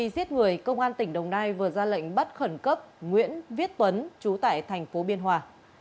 khi giết người công an tỉnh đồng nai vừa ra lệnh bắt khẩn cấp nguyễn viết tuấn chú tại thành phố biên hòa